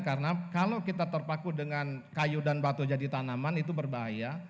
karena kalau kita terpaku dengan kayu dan batu jadi tanaman itu berbahaya